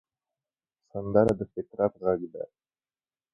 سندره د فطرت غږ دی